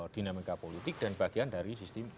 dinamika politik dan bagian dari sistem